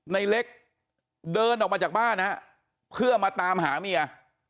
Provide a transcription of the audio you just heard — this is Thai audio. ในเล็กเดินออกมาจากบ้านฮะเพื่อมาตามหาเมีย